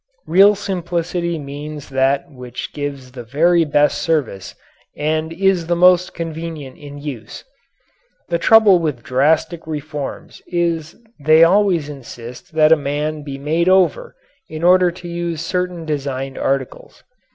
Real simplicity means that which gives the very best service and is the most convenient in use. The trouble with drastic reforms is they always insist that a man be made over in order to use certain designed articles.